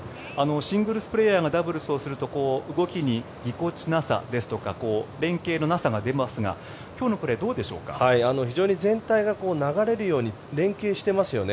シングルスプレーヤーがダブルスをすると動きにぎこちなさですとか連携のなさが出ますが非常に全体が流れるように連携していますよね。